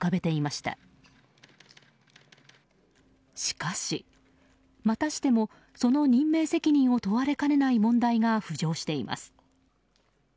しかし、またしてもその任命責任を問われかねない問題が浮上しています。